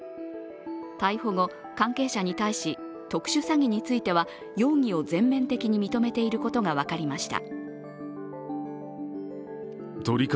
逮捕後、関係者に対し、特殊詐欺については容疑を全面的に認めていることが分かりました。